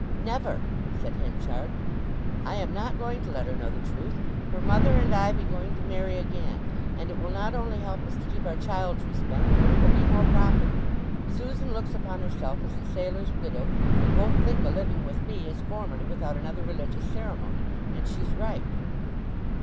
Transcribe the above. "Never!" said Henchard. "I am not going to let her know the truth. Her mother and I be going to marry again; and it will not only help us to keep our child's respect, but it will be more proper. Susan looks upon herself as the sailor's widow, and won't think o' living with me as formerly without another religious ceremony—and she's right."